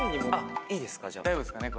大丈夫ですかね。